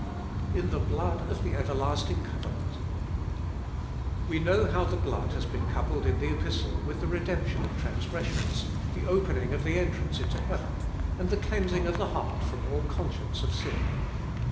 In the blood of the everlasting covenant. We know how the blood has been coupled in the Epistle with the redemption of transgressions, the opening of the entrance into heaven, and the cleansing of the heart from all conscience of sin.